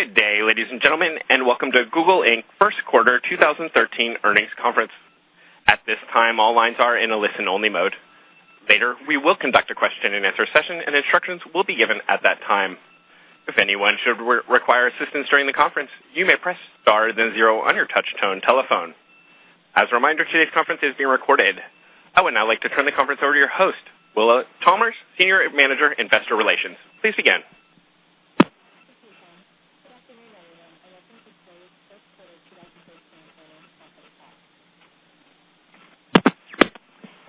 Good day, ladies and gentlemen, and welcome to Google Inc. First Quarter 2013 Earnings Conference. At this time, all lines are in a listen-only mode. Later, we will conduct a question and answer session, and instructions will be given at that time. If anyone should require assistance during the conference, you may press star then zero on your touch-tone telephone. As a reminder, today's conference is being recorded. I would now like to turn the conference over to your host, Willa Chalmers, Senior Manager, Investor Relations. Please begin.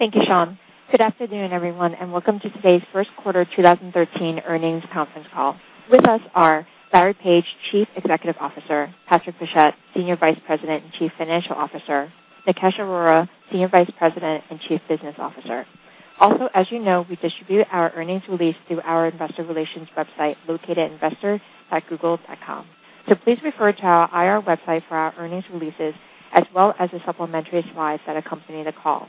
Thank you, Sean. Good afternoon, everyone, and welcome to today's First Quarter 2013 Earnings Conference call. With us are Larry Page, Chief Executive Officer, Patrick Pichette, Senior Vice President and Chief Financial Officer; Nikesh Arora, Senior Vice President and Chief Business Officer. Also, as you know, we distribute our earnings release through our Investor Relations website located at investor.google.com. So please refer to our IR website for our earnings releases, as well as the supplementary slides that accompany the call.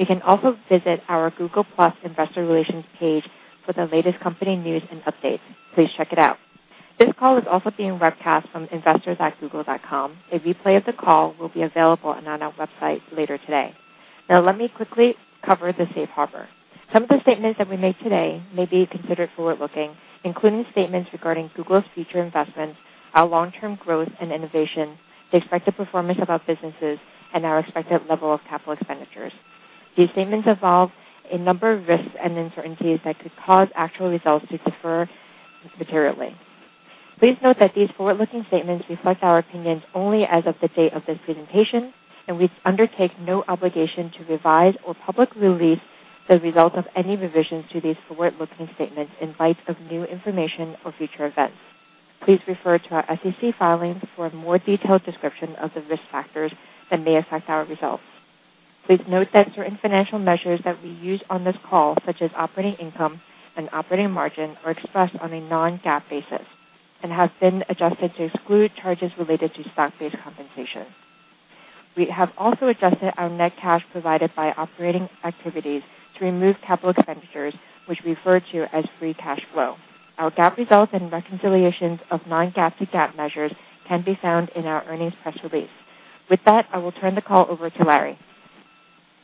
You can also visit our Google+ Investor Relations page for the latest company news and updates. Please check it out. This call is also being webcast from investor.google.com. A replay of the call will be available on our website later today. Now, let me quickly cover the safe harbor. Some of the statements that we made today may be considered forward-looking, including statements regarding Google's future investments, our long-term growth and innovation, the expected performance of our businesses, and our expected level of capital expenditures. These statements involve a number of risks and uncertainties that could cause actual results to differ materially. Please note that these forward-looking statements reflect our opinions only as of the date of this presentation, and we undertake no obligation to revise or publicly release the results of any revisions to these forward-looking statements in light of new information or future events. Please refer to our SEC filings for a more detailed description of the risk factors that may affect our results. Please note that certain financial measures that we use on this call, such as operating income and operating margin, are expressed on a non-GAAP basis and have been adjusted to exclude charges related to stock-based compensation. We have also adjusted our net cash provided by operating activities to remove capital expenditures, which we refer to as free cash flow. Our GAAP results and reconciliations of non-GAAP to GAAP measures can be found in our earnings press release. With that, I will turn the call over to Larry.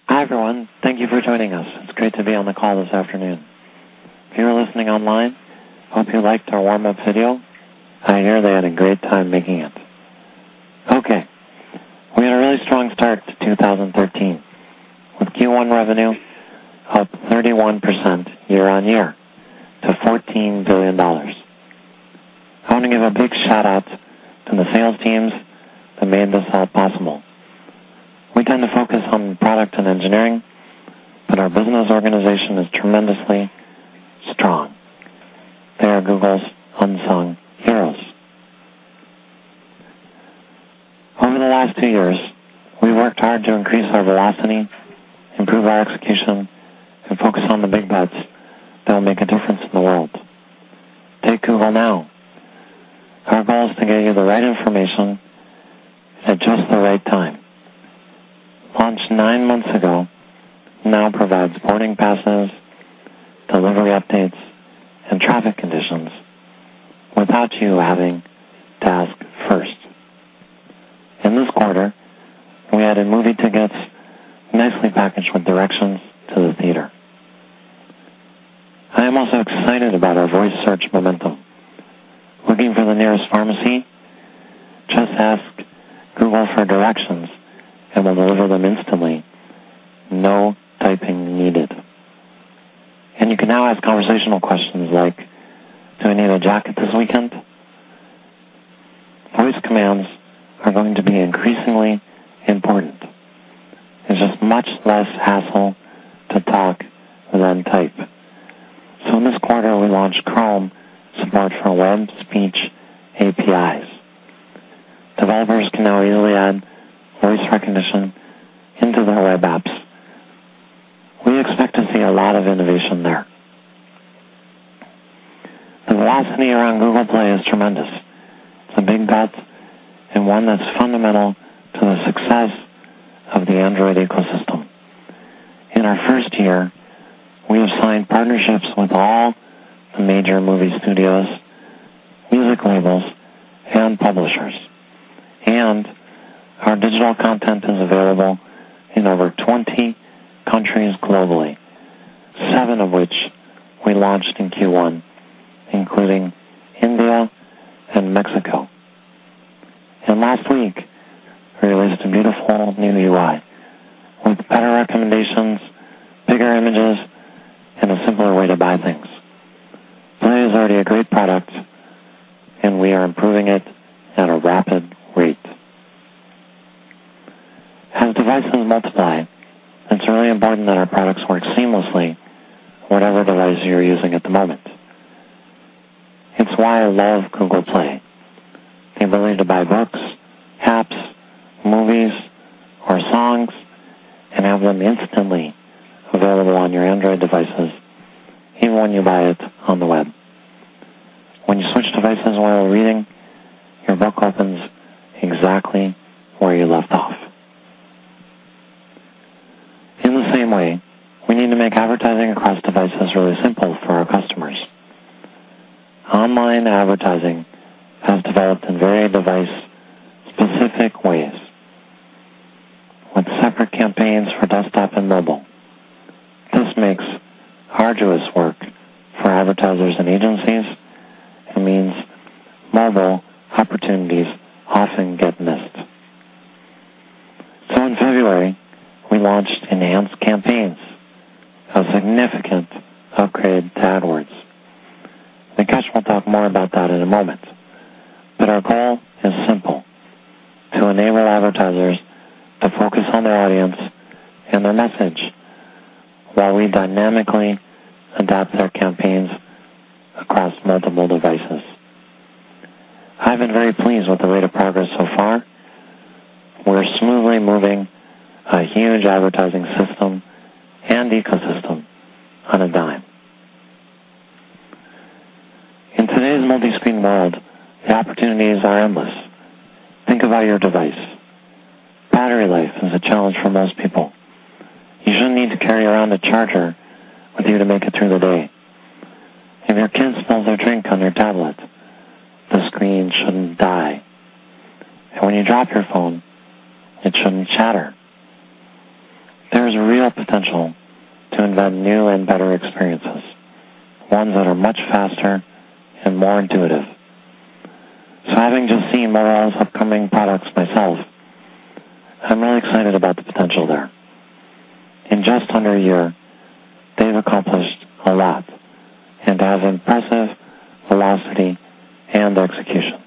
Hi, everyone. Thank you for joining us. It's great to be on the call this afternoon. If you're listening online, hope you liked our warm-up video. I nearly had a great time making it. Okay. We had a really strong start to 2013, with Q1 revenue up 31% year-on-year to $14 billion. I want to give a big shout-out to the sales teams that made this all possible. We tend to focus on product and engineering, but our business organization is tremendously strong. They are Google's unsung heroes. Over the last two years, we've worked hard to increase our velocity, improve our execution, and focus on the big bets that will make a difference in the world. Take Google Now. Our goal is to get you the right information at just the right time. Launched nine months ago, it now provides boarding passes, delivery updates, and traffic conditions without you having to ask first. In this quarter, we added movie tickets nicely packaged with directions to the theater. I am also excited about our voice search momentum. Looking for the nearest pharmacy? Just ask Google for directions, and we'll deliver them instantly. No In the same way, we need to make advertising across devices really simple for our customers. Online advertising has developed in very device-specific ways, with separate campaigns for desktop and mobile. This makes arduous work for advertisers and agencies and means mobile opportunities often get missed. So in February, we launched Enhanced Campaigns, a significant upgrade to AdWords. Nikesh will talk more about that in a moment. But our goal is simple: to enable advertisers to focus on their audience and their message while we dynamically adapt their campaigns across multiple devices. I've been very pleased with the rate of progress so far. We're smoothly moving a huge advertising system and ecosystem on a dime. In today's multi-screen world, the opportunities are endless. Think about your device. Battery life is a challenge for most people. You shouldn't need to carry around a charger with you to make it through the day. If your kid spills their drink on your tablet, the screen shouldn't die, and when you drop your phone, it shouldn't shatter. There is real potential to invent new and better experiences, ones that are much faster and more intuitive, so having just seen several of those upcoming products myself, I'm really excited about the potential there. In just under a year, they've accomplished a lot and have impressive velocity and execution.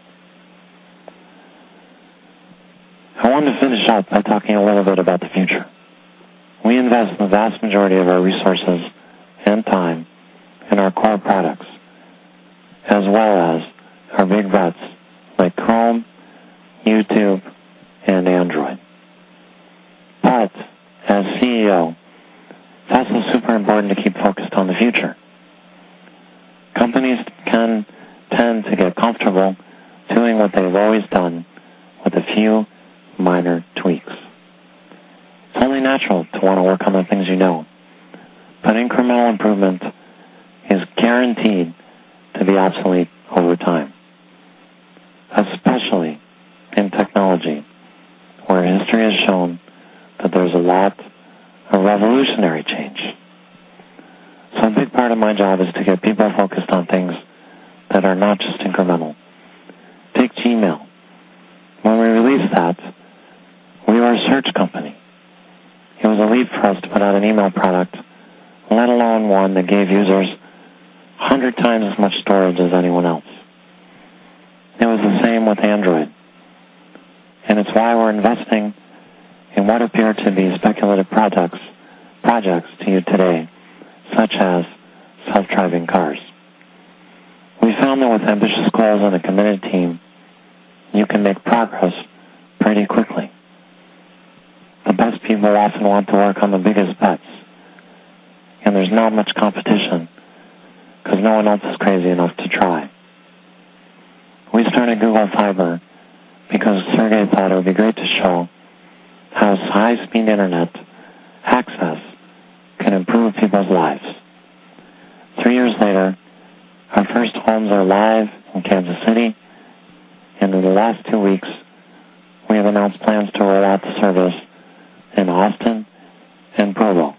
I want to finish out by talking a little bit about the future. We invest the vast majority of our resources and time in our core products, as well as our big bets like Chrome, YouTube, and Android, but as CEO, that's why it's super important to keep focused on the future. Companies can tend to get comfortable doing what they've always done with a few minor tweaks. It's only natural to want to work on the things you know. But incremental improvement is guaranteed to be obsolete over time, especially in technology, where history has shown that there's a lot of revolutionary change. So a big part of my job is to get people focused on things that are not just incremental. Take Gmail. When we released that, we were a search company. It was a leap for us to put out an email product, let alone one that gave users 100 times as much storage as anyone else. It was the same with Android. And it's why we're investing in what appear to be speculative projects to you today, such as self-driving cars. We found that with ambitious goals and a committed team, you can make progress pretty quickly. The best people often want to work on the biggest bets, and there's not much competition because no one else is crazy enough to try. We started Google Fiber because Sergey thought it would be great to show how high-speed internet access can improve people's lives. Three years later, our first homes are live in Kansas City. In the last two weeks, we have announced plans to roll out the service in Austin and Provo.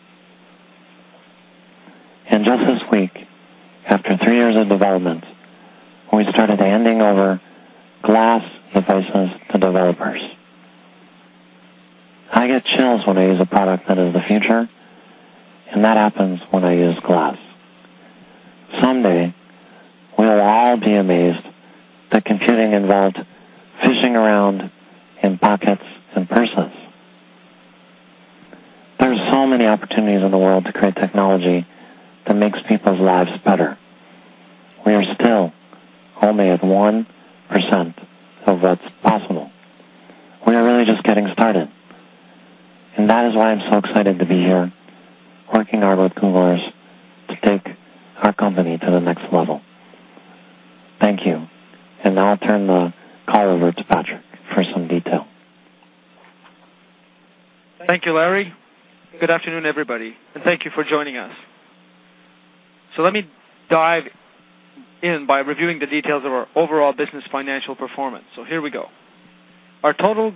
Just this week, after three years of development, we started handing over Google Glass devices to developers. I get chills when I use a product that is the future, and that happens when I use Google Glass. Someday, we'll all be amazed at the computing involved fishing around in pockets and purses. There are so many opportunities in the world to create technology that makes people's lives better. We are still only at 1% of what's possible. We are really just getting started. And that is why I'm so excited to be here working hard with Googlers to take our company to the next level. Thank you. And now I'll turn the call over to Patrick for some detail. Thank you, Larry. Good afternoon, everybody, and thank you for joining us. So let me dive in by reviewing the details of our overall business financial performance. So here we go. Our total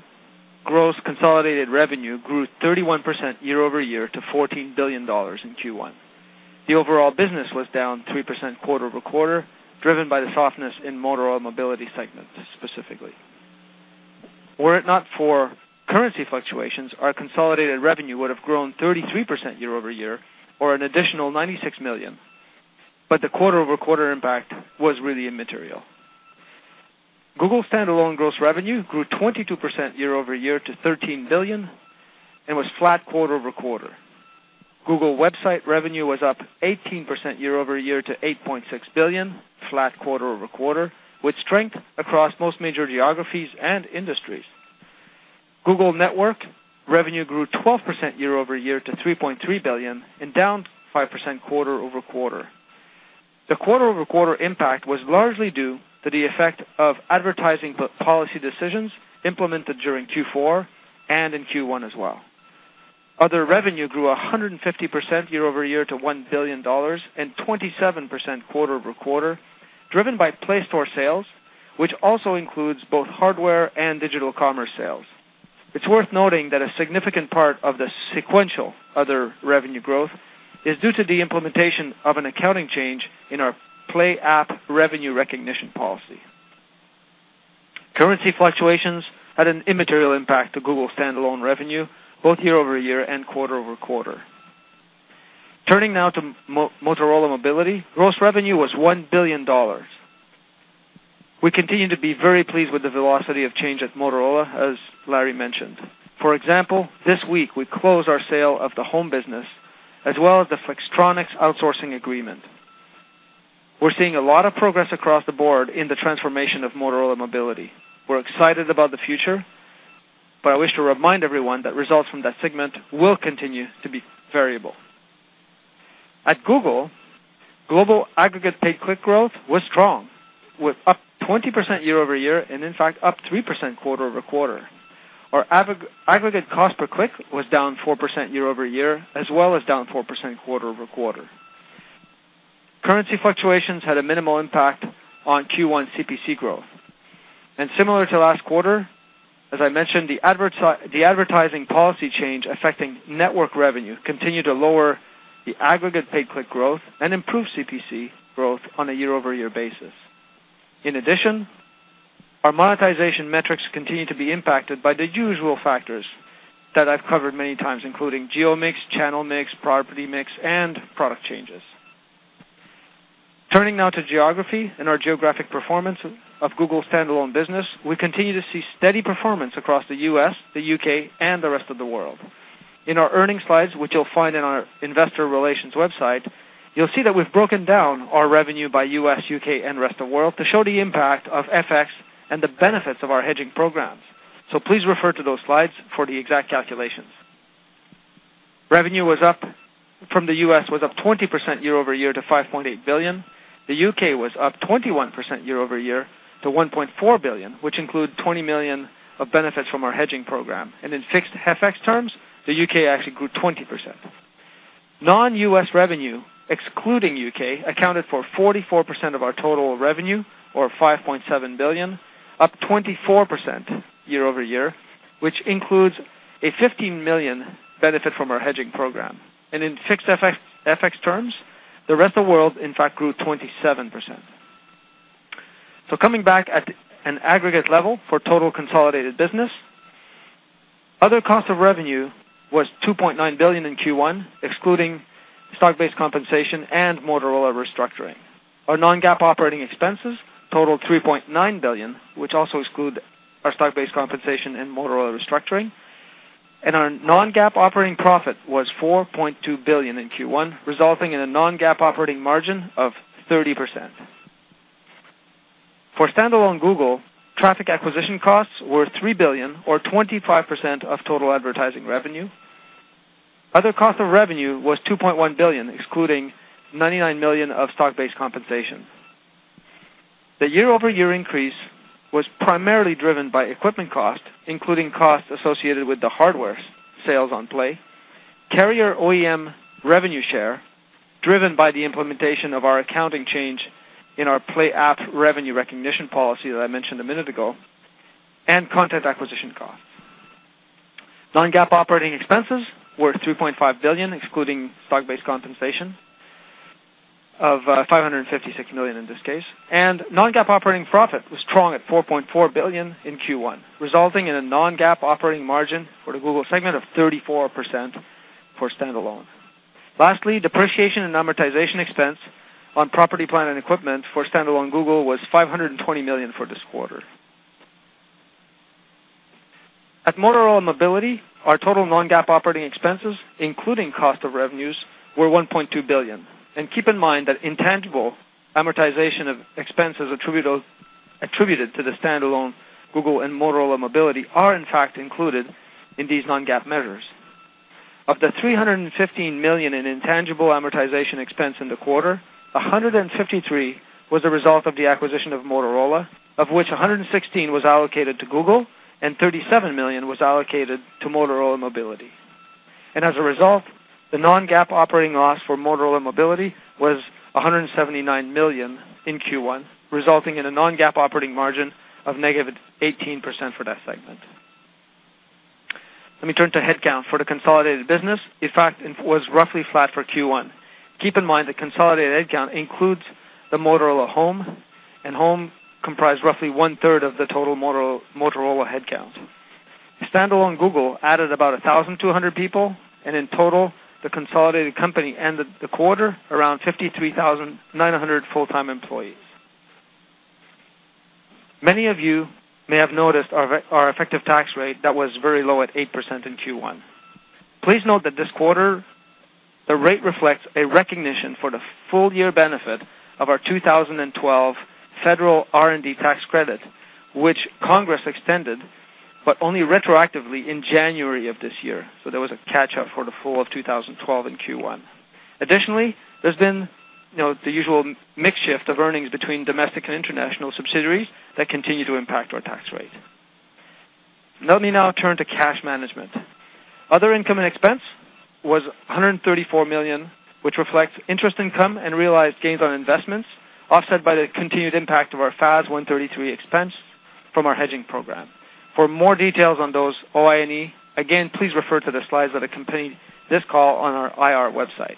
gross consolidated revenue grew 31% year-over-year to $14 billion in Q1. The overall business was down 3% quarter-over-quarter, driven by the softness in Motorola Mobility segments specifically. Were it not for currency fluctuations, our consolidated revenue would have grown 33% year-over-year or an additional $96 million. But the quarter-over-quarter impact was really immaterial. Google's standalone gross revenue grew 22% year-over-year to $13 billion and was flat quarter-over-quarter. Google website revenue was up 18% year-over-year to $8.6 billion, flat quarter-over-quarter, with strength across most major geographies and industries. Google network revenue grew 12% year-over-year to $3.3 billion and down 5% quarter-over-quarter. The quarter-over-quarter impact was largely due to the effect of advertising policy decisions implemented during Q4 and in Q1 as well. Other revenue grew 150% year-over-year to $1 billion and 27% quarter-over-quarter, driven by Play Store sales, which also includes both hardware and digital commerce sales. It's worth noting that a significant part of the sequential other revenue growth is due to the implementation of an accounting change in our Play app revenue recognition policy. Currency fluctuations had an immaterial impact on Google standalone revenue, both year-over-year and quarter-over-quarter. Turning now to Motorola Mobility, gross revenue was $1 billion. We continue to be very pleased with the velocity of change at Motorola, as Larry mentioned. For example, this week, we closed our sale of the home business as well as the Flextronics outsourcing agreement. We're seeing a lot of progress across the board in the transformation of Motorola Mobility. We're excited about the future, but I wish to remind everyone that results from that segment will continue to be variable. At Google, global aggregate paid click growth was strong, with up 20% year-over-year and, in fact, up 3% quarter-over-quarter. Our aggregate cost per click was down 4% year-over-year, as well as down 4% quarter-over-quarter. Currency fluctuations had a minimal impact on Q1 CPC growth, and similar to last quarter, as I mentioned, the advertising policy change affecting network revenue continued to lower the aggregate paid click growth and improve CPC growth on a year-over-year basis. In addition, our monetization metrics continue to be impacted by the usual factors that I've covered many times, including geo mix, channel mix, property mix, and product changes. Turning now to geography and our geographic performance of Google standalone business, we continue to see steady performance across the U.S., the U.K., and the rest of the world. In our earnings slides, which you'll find in our investor relations website, you'll see that we've broken down our revenue by U.S., U.K., and rest of the world to show the impact of FX and the benefits of our hedging programs. So please refer to those slides for the exact calculations. Revenue from the U.S. was up 20% year-over-year to $5.8 billion. The U.K. was up 21% year-over-year to $1.4 billion, which includes $20 million of benefits from our hedging program. And in fixed FX terms, the U.K. actually grew 20%. Non-U.S. revenue, excluding U.K., accounted for 44% of our total revenue, or $5.7 billion, up 24% year-over-year, which includes a $15 million benefit from our hedging program. In fixed FX terms, the rest of the world, in fact, grew 27%. Coming back at an aggregate level for total consolidated business, other cost of revenue was $2.9 billion in Q1, excluding stock-based compensation and Motorola restructuring. Our non-GAAP operating expenses totaled $3.9 billion, which also excludes our stock-based compensation and Motorola restructuring. Our non-GAAP operating profit was $4.2 billion in Q1, resulting in a non-GAAP operating margin of 30%. For standalone Google, traffic acquisition costs were $3 billion, or 25% of total advertising revenue. Other cost of revenue was $2.1 billion, excluding $99 million of stock-based compensation. The year-over-year increase was primarily driven by equipment cost, including costs associated with the hardware sales on Play, carrier OEM revenue share, driven by the implementation of our accounting change in our Play app revenue recognition policy that I mentioned a minute ago, and content acquisition costs. Non-GAAP operating expenses were $3.5 billion, excluding stock-based compensation, of $556 million in this case. And non-GAAP operating profit was strong at $4.4 billion in Q1, resulting in a non-GAAP operating margin for the Google segment of 34% for standalone. Lastly, depreciation and amortization expense on property, plant and equipment for standalone Google was $520 million for this quarter. At Motorola Mobility, our total non-GAAP operating expenses, including cost of revenues, were $1.2 billion. And keep in mind that intangible amortization expenses attributed to the standalone Google and Motorola Mobility are, in fact, included in these non-GAAP measures. Of the $315 million in intangible amortization expense in the quarter, $153 million was the result of the acquisition of Motorola, of which $116 million was allocated to Google and $37 million was allocated to Motorola Mobility. As a result, the non-GAAP operating loss for Motorola Mobility was $179 million in Q1, resulting in a non-GAAP operating margin of negative 18% for that segment. Let me turn to headcount for the consolidated business. In fact, it was roughly flat for Q1. Keep in mind that consolidated headcount includes the Motorola Home, and home comprised roughly one-third of the total Motorola headcount. Standalone Google added about 1,200 people, and in total, the consolidated company and the quarter, around 53,900 full-time employees. Many of you may have noticed our effective tax rate that was very low at 8% in Q1. Please note that this quarter, the rate reflects a recognition for the full-year benefit of our 2012 federal R&D tax credit, which Congress extended but only retroactively in January of this year. There was a catch-up for the full of 2012 in Q1. Additionally, there's been the usual mixed shift of earnings between domestic and international subsidiaries that continue to impact our tax rate. Let me now turn to cash management. Other income and expense was $134 million, which reflects interest income and realized gains on investments offset by the continued impact of our FAS 133 expense from our hedging program. For more details on those OI&E, again, please refer to the slides that accompany this call on our IR website.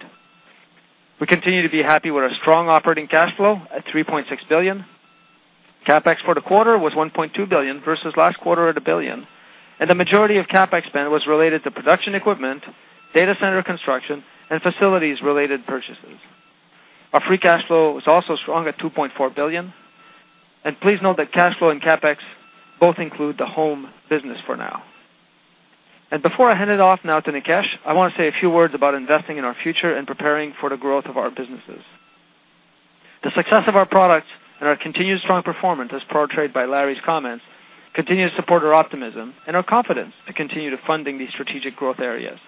We continue to be happy with our strong operating cash flow at $3.6 billion. CapEx for the quarter was $1.2 billion versus last quarter at $1 billion. The majority of CapEx spend was related to production equipment, data center construction, and facilities-related purchases. Our free cash flow was also strong at $2.4 billion. Please note that cash flow and CapEx both include the home business for now. And before I hand it off now to Nikesh, I want to say a few words about investing in our future and preparing for the growth of our businesses. The success of our products and our continued strong performance, as portrayed by Larry's comments, continue to support our optimism and our confidence to continue to fund these strategic growth areas.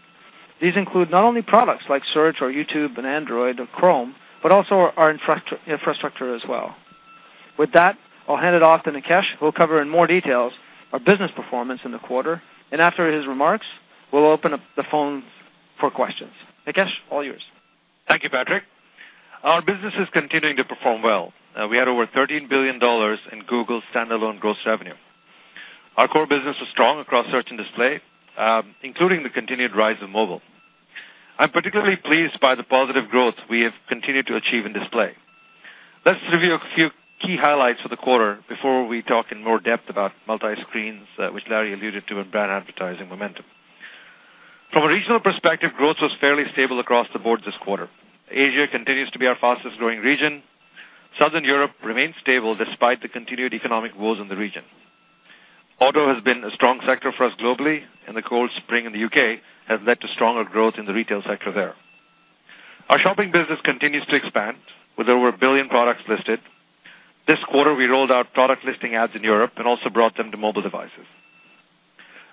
These include not only products like Search or YouTube and Android or Chrome, but also our infrastructure as well. With that, I'll hand it off to Nikesh, who will cover in more details our business performance in the quarter. And after his remarks, we'll open up the phone for questions. Nikesh, all yours. Thank you, Patrick. Our business is continuing to perform well. We had over $13 billion in Google standalone gross revenue. Our core business was strong across Search and Display, including the continued rise of mobile. I'm particularly pleased by the positive growth we have continued to achieve in Display. Let's review a few key highlights for the quarter before we talk in more depth about multi-screens, which Larry alluded to in brand advertising momentum. From a regional perspective, growth was fairly stable across the board this quarter. Asia continues to be our fastest-growing region. Southern Europe remains stable despite the continued economic woes in the region. Auto has been a strong sector for us globally, and the cold spring in the U.K. has led to stronger growth in the retail sector there. Our shopping business continues to expand with over a billion products listed. This quarter, we rolled out Product Listing Ads in Europe and also brought them to mobile devices.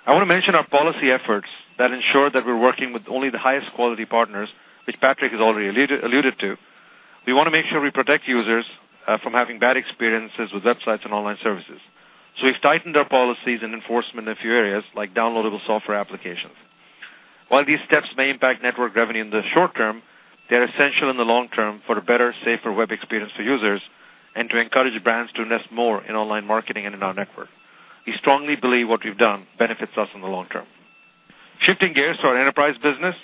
I want to mention our policy efforts that ensure that we're working with only the highest quality partners, which Patrick has already alluded to. We want to make sure we protect users from having bad experiences with websites and online services. So we've tightened our policies and enforcement in a few areas, like downloadable software applications. While these steps may impact network revenue in the short-term, they're essential in the long-term for a better, safer web experience for users and to encourage brands to invest more in online marketing and in our network. We strongly believe what we've done benefits us in the long-term. Shifting gears to our enterprise business,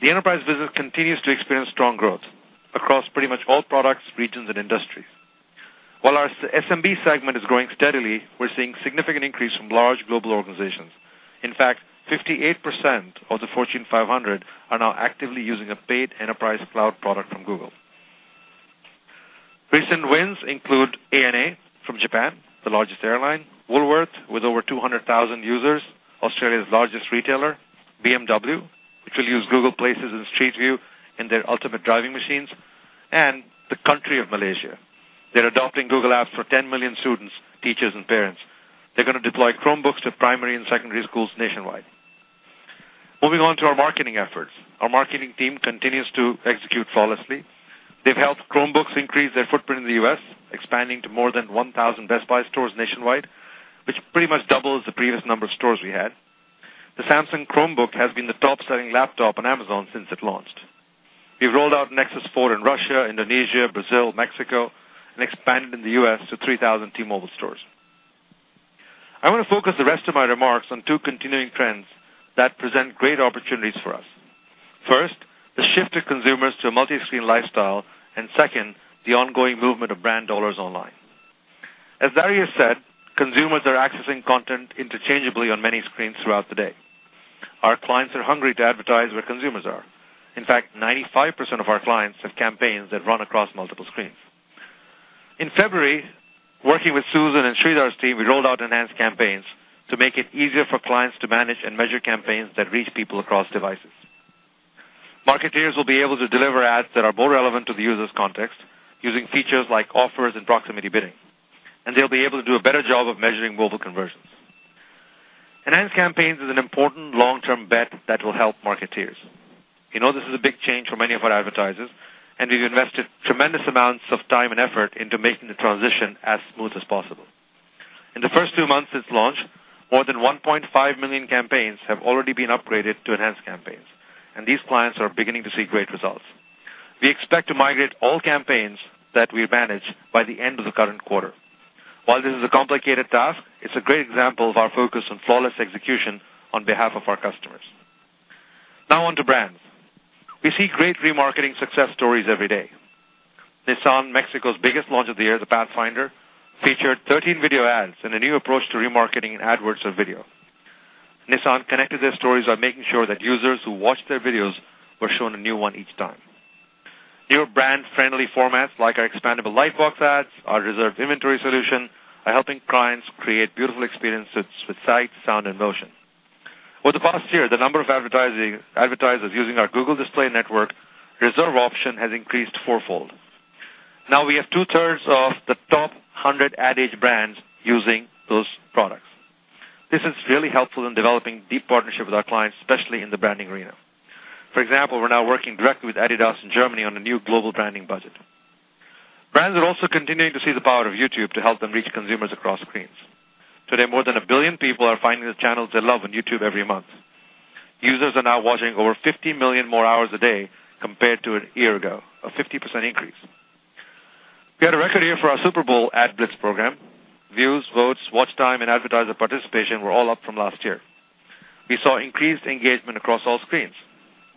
the enterprise business continues to experience strong growth across pretty much all products, regions, and industries. While our SMB segment is growing steadily, we're seeing significant increase from large global organizations. In fact, 58% of the Fortune 500 are now actively using a paid enterprise cloud product from Google. Recent wins include ANA from Japan, the largest airline. Woolworths with over 200,000 users. Australia's largest retailer, BMW, which will use Google Places and Street View in their ultimate driving machines. And the country of Malaysia. They're adopting Google Apps for 10 million students, teachers, and parents. They're going to deploy Chromebooks to primary and secondary schools nationwide. Moving on to our marketing efforts. Our marketing team continues to execute flawlessly. They've helped Chromebooks increase their footprint in the U.S., expanding to more than 1,000 Best Buy stores nationwide, which pretty much doubles the previous number of stores we had. The Samsung Chromebook has been the top-selling laptop on Amazon since it launched. We've rolled out Nexus 4 in Russia, Indonesia, Brazil, Mexico, and expanded in the U.S. to 3,000 T-Mobile stores. I want to focus the rest of my remarks on two continuing trends that present great opportunities for us. First, the shift of consumers to a multi-screen lifestyle, and second, the ongoing movement of brand dollars online. As Larry has said, consumers are accessing content interchangeably on many screens throughout the day. Our clients are hungry to advertise where consumers are. In fact, 95% of our clients have campaigns that run across multiple screens. In February, working with Susan and Sridhar's team, we rolled out Enhanced Campaigns to make it easier for clients to manage and measure campaigns that reach people across devices. Marketers will be able to deliver ads that are more relevant to the user's context using features like offers and proximity bidding. They'll be able to do a better job of measuring mobile conversions. Enhanced Campaigns is an important long-term bet that will help marketers. We know this is a big change for many of our advertisers, and we've invested tremendous amounts of time and effort into making the transition as smooth as possible. In the first two months since launch, more than 1.5 million campaigns have already been upgraded to Enhanced Campaigns. These clients are beginning to see great results. We expect to migrate all campaigns that we manage by the end of the current quarter. While this is a complicated task, it's a great example of our focus on flawless execution on behalf of our customers. Now on to brands. We see great Remarketing success stories every day. Nissan, Mexico's biggest launch of the year, the Pathfinder, featured 13 video ads and a new approach to remarketing in AdWords for video. Nissan connected their stories by making sure that users who watched their videos were shown a new one each time. Newer brand-friendly formats, like our expandable Lightbox ads, our reserved inventory solution, are helping clients create beautiful experiences with sight, sound, and motion. Over the past year, the number of advertisers using our Google Display Network reserve option has increased fourfold. Now we have two-thirds of the top 100 Ad Age brands using those products. This is really helpful in developing deep partnerships with our clients, especially in the branding arena. For example, we're now working directly with Adidas in Germany on a new global branding budget. Brands are also continuing to see the power of YouTube to help them reach consumers across screens. Today, more than a billion people are finding the channels they love on YouTube every month. Users are now watching over 50 million more hours a day compared to a year ago, a 50% increase. We had a record year for our Super Bowl AdBlitz program. Views, votes, watch time, and advertiser participation were all up from last year. We saw increased engagement across all screens.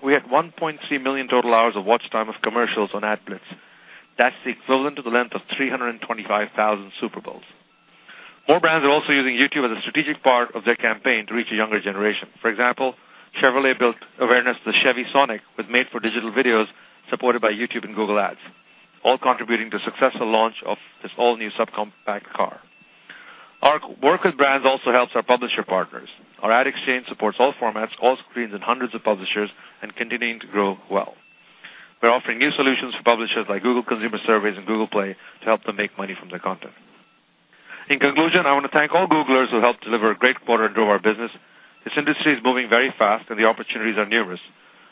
We had 1.3 million total hours of watch time of commercials on AdBlitz. That's the equivalent to the length of 325,000 Super Bowls. More brands are also using YouTube as a strategic part of their campaign to reach a younger generation. For example, Chevrolet built awareness of the Chevy Sonic with made-for-digital videos supported by YouTube and Google Ads, all contributing to the successful launch of this all-new subcompact car. Our work with brands also helps our publisher partners. Our Ad Exchange supports all formats, all screens, and hundreds of publishers, and continuing to grow well. We're offering new solutions for publishers like Google Consumer Surveys and Google Play to help them make money from their content. In conclusion, I want to thank all Googlers who helped deliver a great quarter and drove our business. This industry is moving very fast, and the opportunities are numerous.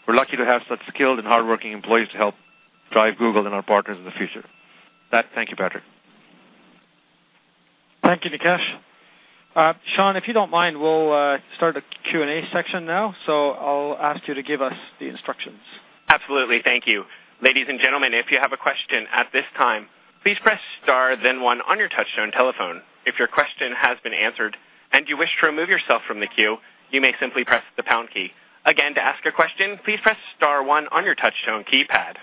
We're lucky to have such skilled and hardworking employees to help drive Google and our partners in the future. Thank you, Patrick. Thank you, Nikesh. Sean, if you don't mind, we'll start a Q&A section now. So I'll ask you to give us the instructions. Absolutely. Thank you. Ladies and gentlemen, if you have a question at this time, please press Star, then one on your touch-tone telephone. If your question has been answered and you wish to remove yourself from the queue, you may simply press the pound key. Again, to ask a question, please press Star one on your touch-tone keypad.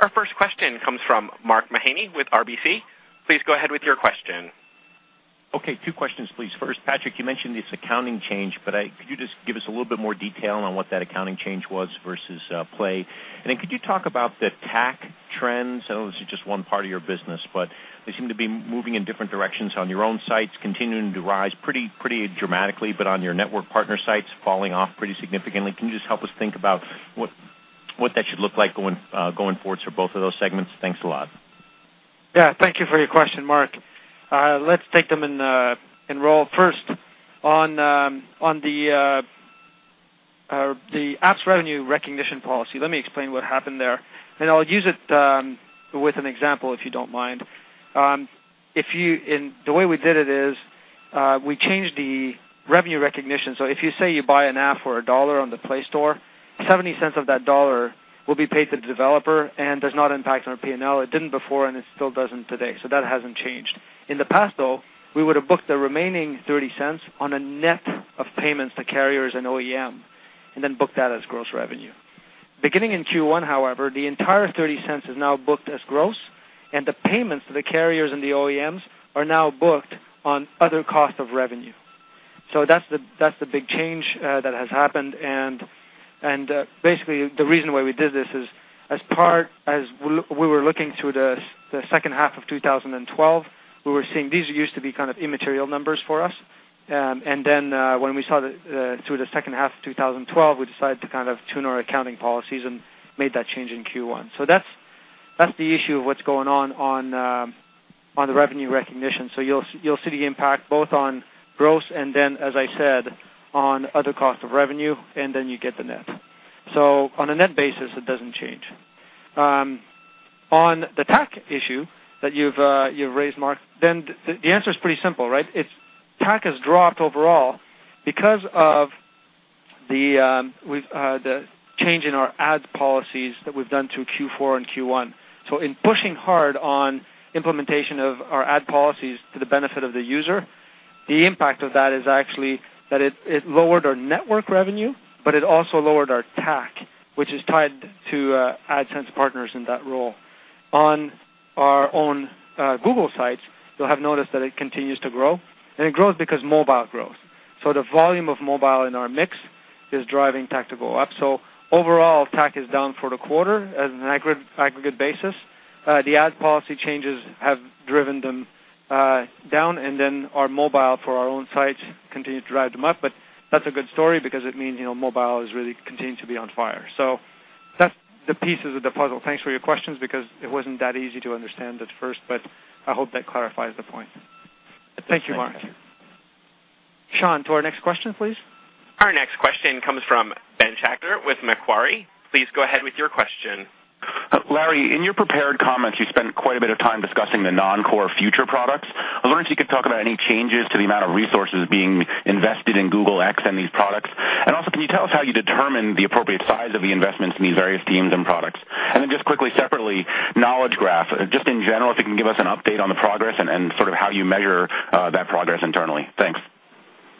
Our first question comes from Mark Mahaney with RBC. Please go ahead with your question. Okay. Two questions, please. First, Patrick, you mentioned this accounting change, but could you just give us a little bit more detail on what that accounting change was versus Play? And then could you talk about the TAC trends? I know this is just one part of your business, but they seem to be moving in different directions on your own sites, continuing to rise pretty dramatically, but on your network partner sites, falling off pretty significantly. Can you just help us think about what that should look like going forward for both of those segments? Thanks a lot. Yeah. Thank you for your question, Mark. Let's take them in order. First, on the apps revenue recognition policy, let me explain what happened there. And I'll use it with an example if you don't mind. The way we did it is we changed the revenue recognition. So if you say you buy an app for $1 on the Play Store, $0.70 of that $1 will be paid to the developer and does not impact our P&L. It didn't before, and it still doesn't today. So that hasn't changed. In the past, though, we would have booked the remaining $0.30 on a net of payments to carriers and OEM and then booked that as gross revenue. Beginning in Q1, however, the entire $0.30 is now booked as gross, and the payments to the carriers and the OEMs are now booked on other cost of revenue. So that's the big change that has happened. And basically, the reason why we did this is as we were looking through the second half of 2012, we were seeing these used to be kind of immaterial numbers for us. And then when we saw through the second half of 2012, we decided to kind of tune our accounting policies and made that change in Q1. So that's the issue of what's going on on the revenue recognition. So you'll see the impact both on gross and then, as I said, on other cost of revenue, and then you get the net. So on a net basis, it doesn't change. On the TAC issue that you've raised, Mark, then the answer is pretty simple, right? TAC has dropped overall because of the change in our ad policies that we've done through Q4 and Q1. So in pushing hard on implementation of our ad policies to the benefit of the user, the impact of that is actually that it lowered our network revenue, but it also lowered our TAC, which is tied to AdSense partners in that role. On our own Google sites, you'll have noticed that it continues to grow, and it grows because mobile grows, so the volume of mobile in our mix is driving TAC to go up, so overall, TAC is down for the quarter as an aggregate basis. The ad policy changes have driven them down, and then our mobile for our own sites continues to drive them up, but that's a good story because it means mobile has really continued to be on fire, so that's the pieces of the puzzle. Thanks for your questions because it wasn't that easy to understand at first, but I hope that clarifies the point. Thank you, Mark. Thank you. Sean, to our next question, please. Our next question comes from Ben Schachter with Macquarie. Please go ahead with your question. Larry, in your prepared comments, you spent quite a bit of time discussing the non-core future products. I was wondering if you could talk about any changes to the amount of resources being invested in Google X and these products. And also, can you tell us how you determine the appropriate size of the investments in these various teams and products? And then just quickly, separately, Knowledge Graph. Just in general, if you can give us an update on the progress and sort of how you measure that progress internally. Thanks.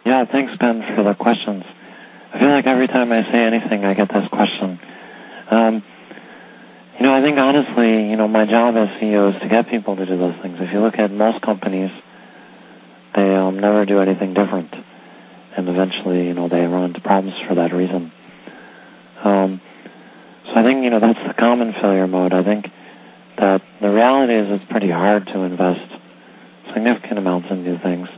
Yeah. Thanks, Ben, for the questions. I feel like every time I say anything, I get this question. I think, honestly, my job as CEO is to get people to do those things. If you look at most companies, they'll never do anything different. And eventually, they run into problems for that reason. So I think that's the common failure mode. I think that the reality is it's pretty hard to invest significant amounts in new things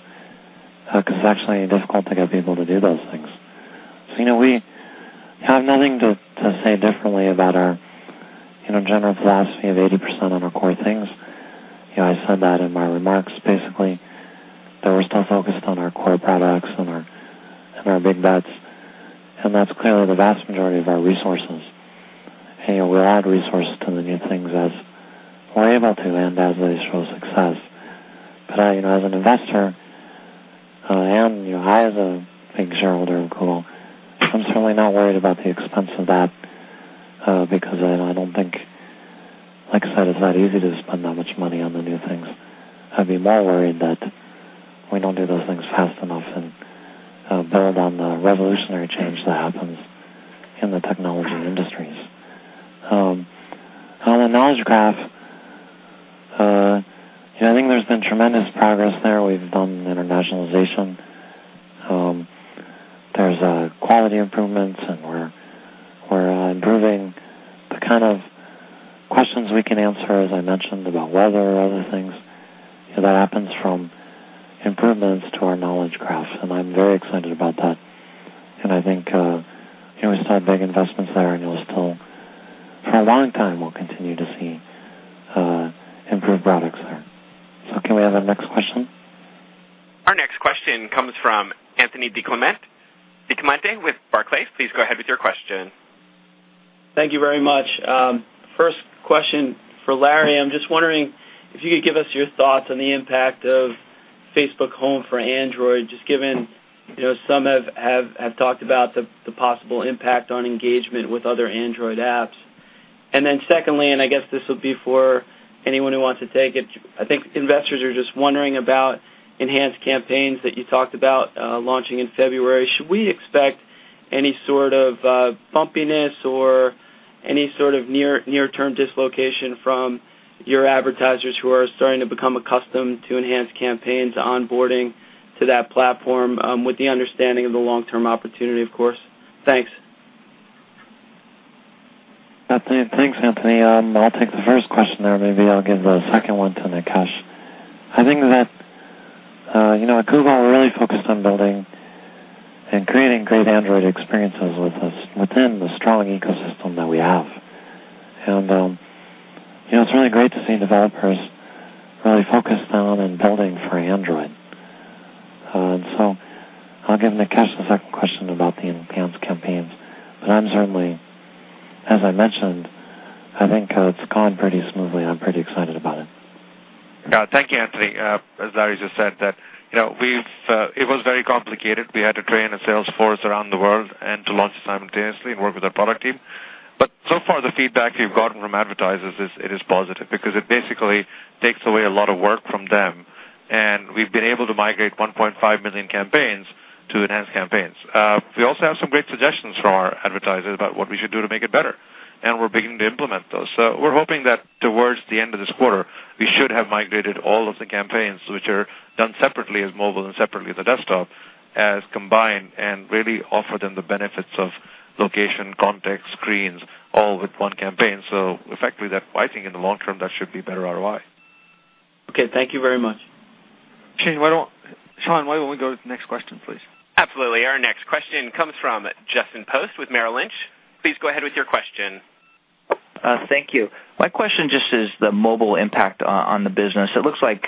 because it's actually difficult to get people to do those things. So we have nothing to say differently about our general philosophy of 80% on our core things. I said that in my remarks. Basically, that we're still focused on our core products and our big bets. And that's clearly the vast majority of our resources. And we'll add resources to the new things as we're able to and as they show success. But as an investor, and I as a big shareholder of Google, I'm certainly not worried about the expense of that because I don't think, like I said, it's that easy to spend that much money on the new things. I'd be more worried that we don't do those things fast enough and build on the revolutionary change that happens in the technology industries. On the Knowledge Graph, I think there's been tremendous progress there. We've done internationalization. There's quality improvements, and we're improving the kind of questions we can answer, as I mentioned, about weather or other things. That happens from improvements to our Knowledge Graph. And I'm very excited about that. And I think we still have big investments there, and for a long time, we'll continue to see improved products there. So can we have the next question? Our next question comes from Anthony DiClemente with Barclays. Please go ahead with your question. Thank you very much. First question for Larry. I'm just wondering if you could give us your thoughts on the impact of Facebook Home for Android, just given some have talked about the possible impact on engagement with other Android apps. And then secondly, and I guess this will be for anyone who wants to take it, I think investors are just wondering about enhanced campaigns that you talked about launching in February. Should we expect any sort of bumpiness or any sort of near-term dislocation from your advertisers who are starting to become accustomed to enhanced campaigns onboarding to that platform with the understanding of the long-term opportunity, of course? Thanks. Thanks, Anthony. I'll take the first question there. Maybe I'll give the second one to Nikesh. I think that Google really focused on building and creating great Android experiences within the strong ecosystem that we have. And it's really great to see developers really focused on and building for Android. And so I'll give Nikesh the second question about the enhanced campaigns. But I'm certainly, as I mentioned, I think it's gone pretty smoothly, and I'm pretty excited about it. Thank you, Anthony. As Larry just said, it was very complicated. We had to train a sales force around the world and to launch it simultaneously and work with our product team. But so far, the feedback we've gotten from advertisers, it is positive because it basically takes away a lot of work from them. And we've been able to migrate 1.5 million campaigns to Enhanced Campaigns. We also have some great suggestions from our advertisers about what we should do to make it better. And we're beginning to implement those. So we're hoping that towards the end of this quarter, we should have migrated all of the campaigns, which are done separately as mobile and separately as a desktop, as combined and really offer them the benefits of location, context, screens, all with one campaign. So effectively, I think in the long-term, that should be better ROI. Okay. Thank you very much. Sean, why don't we go to the next question, please? Absolutely. Our next question comes from Justin Post with Merrill Lynch. Please go ahead with your question. Thank you. My question just is the mobile impact on the business. It looks like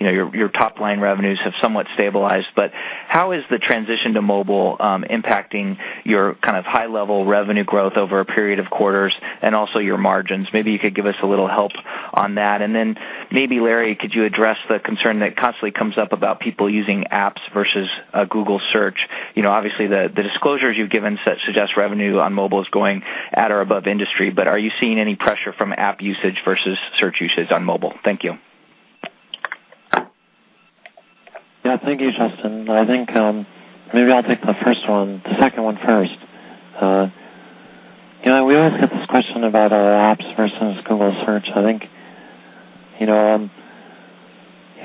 your top-line revenues have somewhat stabilized. But how is the transition to mobile impacting your kind of high-level revenue growth over a period of quarters and also your margins? Maybe you could give us a little help on that, and then maybe, Larry, could you address the concern that constantly comes up about people using apps versus Google Search? Obviously, the disclosures you've given suggest revenue on mobile is going at or above industry, but are you seeing any pressure from app usage versus search usage on mobile? Thank you. Yeah. Thank you, Justin. I think maybe I'll take the first one, the second one first. We always get this question about our apps versus Google Search. I think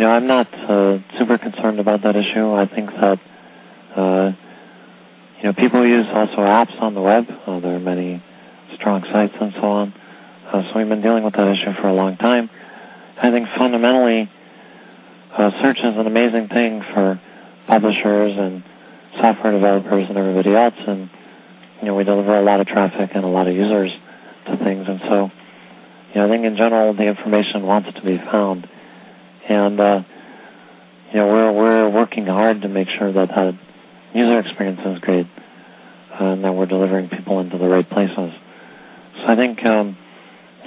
I'm not super concerned about that issue. I think that people use also apps on the web. There are many strong sites and so on. So we've been dealing with that issue for a long time. I think fundamentally, search is an amazing thing for publishers and software developers and everybody else. And we deliver a lot of traffic and a lot of users to things. And so I think in general, the information wants to be found. And we're working hard to make sure that the user experience is great and that we're delivering people into the right places. So I think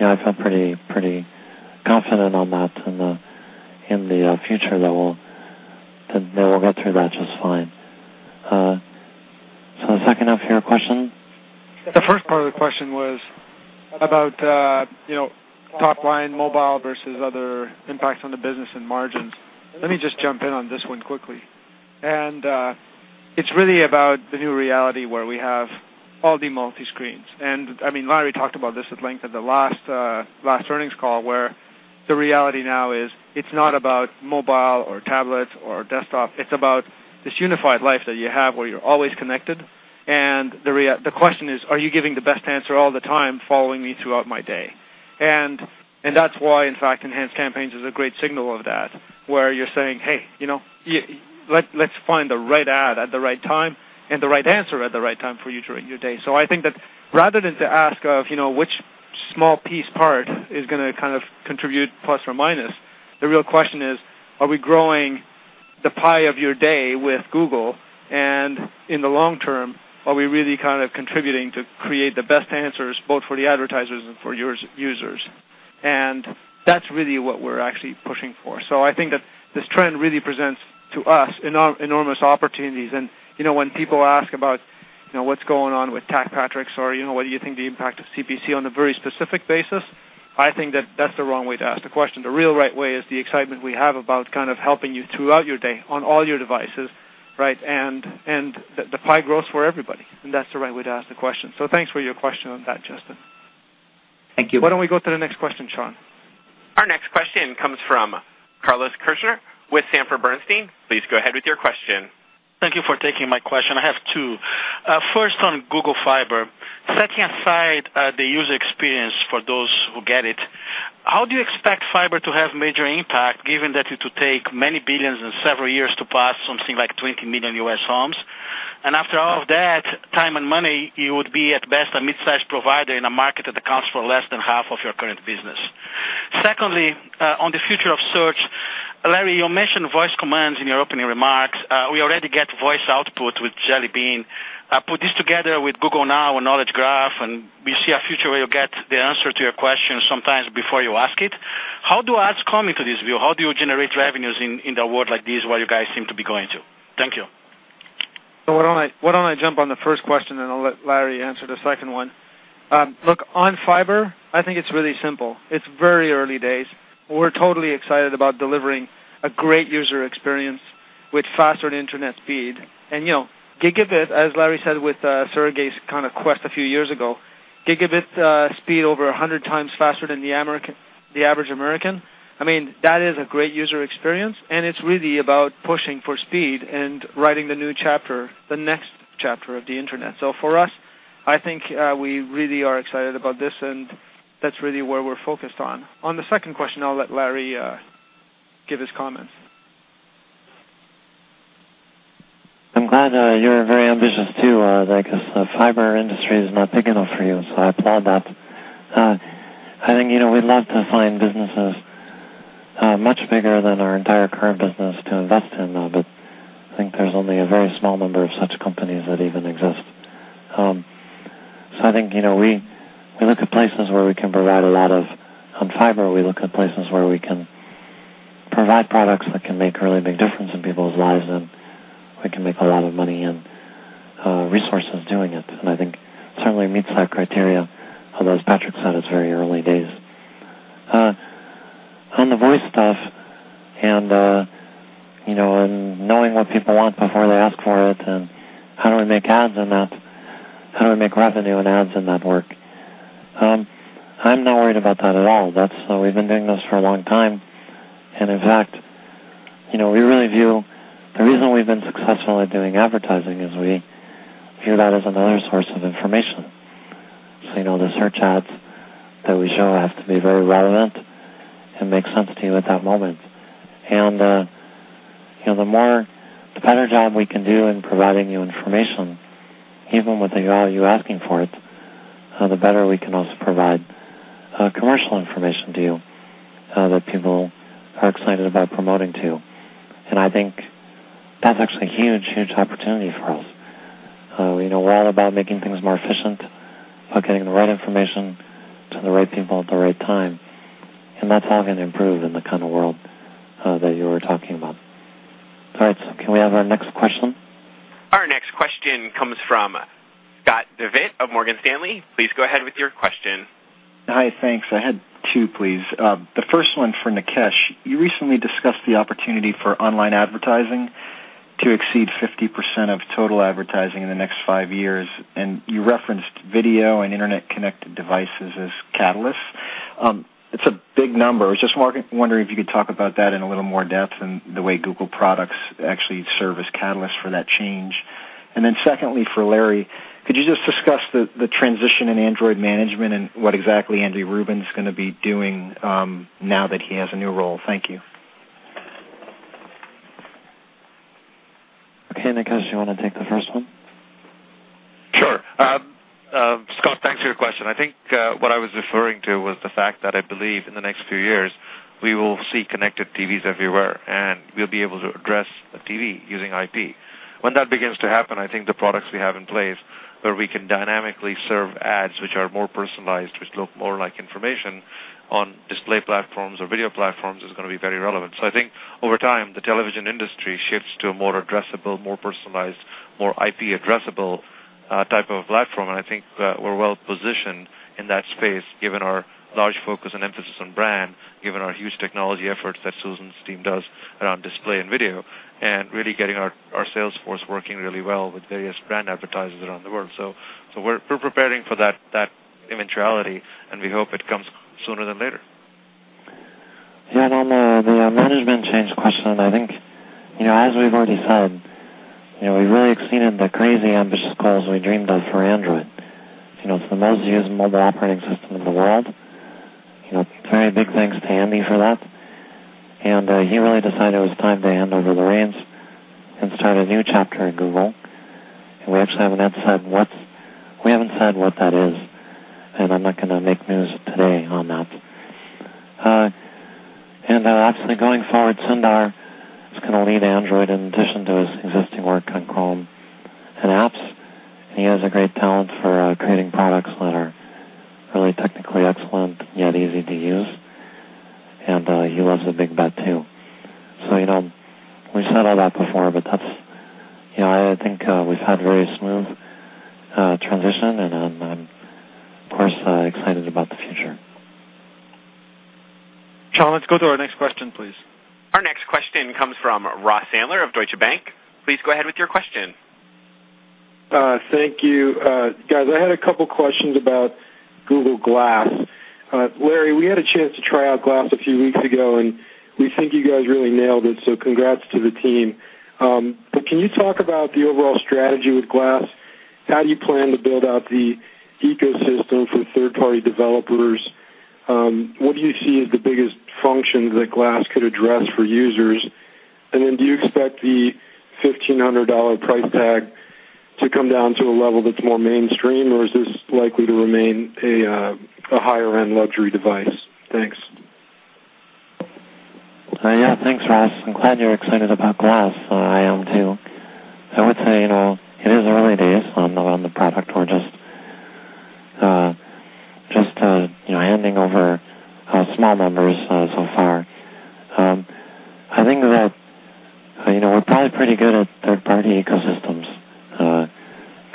I feel pretty confident on that and in the future that they will get through that just fine. So the second half of your question? The first part of the question was about top-line mobile versus other impacts on the business and margins. Let me just jump in on this one quickly. And it's really about the new reality where we have all the multi-screens. And I mean, Larry talked about this at length at the last earnings call, where the reality now is it's not about mobile or tablets or desktop. It's about this unified life that you have where you're always connected. And the question is, are you giving the best answer all the time following me throughout my day? And that's why, in fact, Enhanced Campaigns is a great signal of that, where you're saying, "Hey, let's find the right ad at the right time and the right answer at the right time for you during your day." So I think that rather than to ask of which small piece part is going to kind of contribute plus or minus, the real question is, are we growing the pie of your day with Google? And in the long-term, are we really kind of contributing to create the best answers both for the advertisers and for your users? And that's really what we're actually pushing for. So I think that this trend really presents to us enormous opportunities. And when people ask about what's going on with TAC or what do you think the impact of CPC on a very specific basis, I think that that's the wrong way to ask the question. The real right way is the excitement we have about kind of helping you throughout your day on all your devices, right? And the pie grows for everybody. And that's the right way to ask the question. So thanks for your question on that, Justin. Thank you. Why don't we go to the next question, Sean? Our next question comes from Carlos Kirjner with Sanford C. Bernstein. Please go ahead with your question. Thank you for taking my question. I have two. First, on Google Fiber. Setting aside the user experience for those who get it, how do you expect Fiber to have major impact given that it would take many billions and several years to pass something like 20 million U.S. homes? And after all of that time and money, you would be at best a mid-sized provider in a market that accounts for less than half of your current business. Secondly, on the future of search, Larry, you mentioned voice commands in your opening remarks. We already get voice output with Jelly Bean. I put this together with Google Now and Knowledge Graph, and we see a future where you get the answer to your question sometimes before you ask it. How do ads come into this view? How do you generate revenues in a world like this where you guys seem to be going to? Thank you. So why don't I jump on the first question, and I'll let Larry answer the second one. Look, on Fiber, I think it's really simple. It's very early days. We're totally excited about delivering a great user experience with faster internet speed. And gigabit, as Larry said with Sergey's kind of quest a few years ago, gigabit speed over 100 times faster than the average American. I mean, that is a great user experience. And it's really about pushing for speed and writing the new chapter, the next chapter of the internet. So for us, I think we really are excited about this, and that's really where we're focused on. On the second question, I'll let Larry give his comments. I'm glad you're very ambitious too. I guess the Fiber industry is not big enough for you, so I applaud that. I think we'd love to find businesses much bigger than our entire current business to invest in, but I think there's only a very small number of such companies that even exist. So I think we look at places where we can provide a lot of value on Fiber. We look at places where we can provide products that can make a really big difference in people's lives, and we can make a lot of money in the process doing it. And I think it certainly meets that criteria, although as Patrick said, it's very early days. On the voice stuff and knowing what people want before they ask for it and how do we make ads in that, how do we make revenue and ads in that work, I'm not worried about that at all. We've been doing this for a long time, and in fact, we really view the reason we've been successful at doing advertising is we view that as another source of information, so the search ads that we show have to be very relevant and make sense to you at that moment, and the better job we can do in providing you information, even with the value asking for it, the better we can also provide commercial information to you that people are excited about promoting to you, and I think that's actually a huge, huge opportunity for us. We know all about making things more efficient by getting the right information to the right people at the right time, and that's all going to improve in the kind of world that you were talking about. All right, so can we have our next question? Our next question comes from Scott Devitt of Morgan Stanley. Please go ahead with your question. Hi. Thanks. I have two, please. The first one for Nikesh. You recently discussed the opportunity for online advertising to exceed 50% of total advertising in the next five years. And you referenced video and internet-connected devices as catalysts. It's a big number. I was just wondering if you could talk about that in a little more depth and the way Google products actually serve as catalysts for that change. And then secondly, for Larry, could you just discuss the transition in Android management and what exactly Andrew Rubin is going to be doing now that he has a new role? Thank you. Okay. Nikesh, do you want to take the first one? Sure. Scott, thanks for your question. I think what I was referring to was the fact that I believe in the next few years, we will see connected TVs everywhere, and we'll be able to address the TV using IP. When that begins to happen, I think the products we have in place where we can dynamically serve ads which are more personalized, which look more like information on display platforms or video platforms is going to be very relevant, so I think over time, the television industry shifts to a more addressable, more personalized, more IP-addressable type of a platform, and I think we're well positioned in that space given our large focus and emphasis on brand, given our huge technology efforts that Susan's team does around display and video, and really getting our sales force working really well with various brand advertisers around the world. We're preparing for that eventuality, and we hope it comes sooner than later. Yeah. On the management change question, I think as we've already said, we really exceeded the crazy, ambitious goals we dreamed of for Android. It's the most used mobile operating system in the world. Very big thanks to Andy for that. And he really decided it was time to hand over the reins and start a new chapter at Google. And we actually haven't said what that is. And I'm not going to make news today on that. And actually, going forward, Sundar is going to lead Android in addition to his existing work on Chrome and apps. And he has a great talent for creating products that are really technically excellent yet easy to use. And he loves the big bet too. So we've said all that before, but I think we've had a very smooth transition, and I'm, of course, excited about the future. Sean, let's go to our next question, please. Our next question comes from Ross Sandler of Deutsche Bank. Please go ahead with your question. Thank you. Guys, I had a couple of questions about Google Glass. Larry, we had a chance to try out Glass a few weeks ago, and we think you guys really nailed it. So congrats to the team. But can you talk about the overall strategy with Glass? How do you plan to build out the ecosystem for third-party developers? What do you see as the biggest function that Glass could address for users? And then do you expect the $1,500 price tag to come down to a level that's more mainstream, or is this likely to remain a higher-end luxury device? Thanks. Yeah. Thanks, Ross. I'm glad you're excited about Glass. I am too. I would say it is early days on the product. We're just handing over small numbers so far. I think that we're probably pretty good at third-party ecosystems,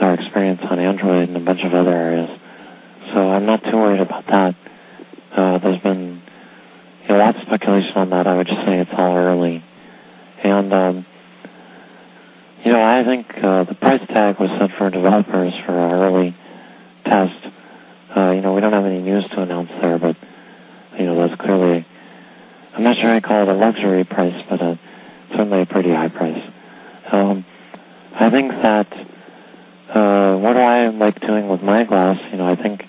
our experience on Android and a bunch of other areas. So I'm not too worried about that. There's been a lot of speculation on that. I would just say it's all early, and I think the price tag was set for developers for our early test. We don't have any news to announce there, but that's clearly. I'm not sure I'd call it a luxury price, but certainly a pretty high price. I think that what do I like doing with my Glass? I think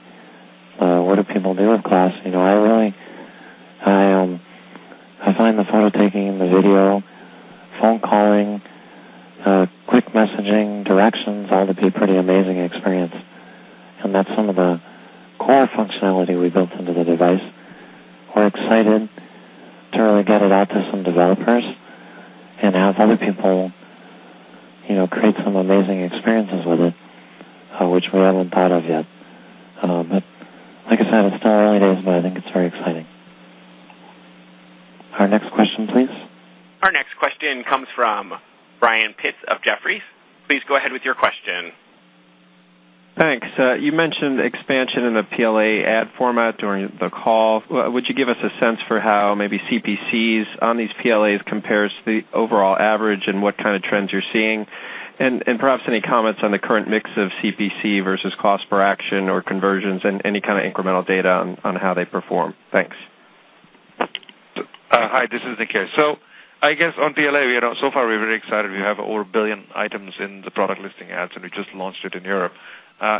I guess on PLA, so far, we're very excited. We have over a billion items in the Product Listing Ads, and we just launched it in Europe.